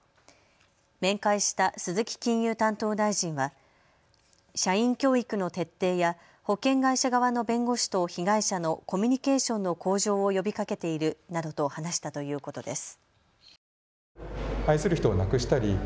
面会した鈴木金融担当大臣は社員教育の徹底や保険会社側の弁護士と被害者のコミュニケーションの向上を呼びかけているなどと話したということです。